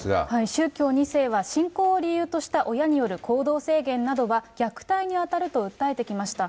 宗教２世は信仰を理由とした親による行動制限などは、虐待に当たると訴えてきました。